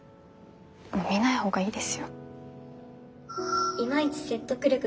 もう見ない方がいいですよ。